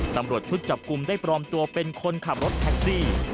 ตำรวจชุดจับกลุ่มได้ปลอมตัวเป็นคนขับรถแท็กซี่